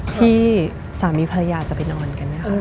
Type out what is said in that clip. ที่สามีภรรยาจะไปนอนกัน